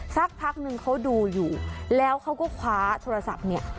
สักพักนึงเขาดูอยู่แล้วเขาก็คว้าโทรศัพท์เนี่ย